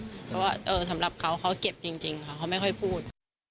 เพราะว่าสำหรับเขาเขาเก็บจริงค่ะเขาไม่ค่อยพูด